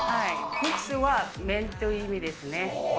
グクスは麺という意味ですね。